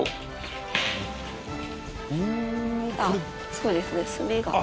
そうですね炭が。